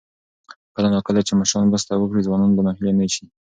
کله نا کله چې مشران مرسته وکړي، ځوانان به ناهیلي نه شي.